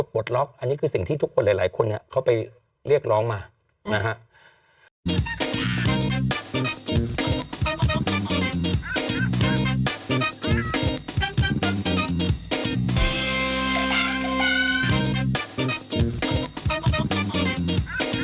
โปรดติดตามตอนต่อไป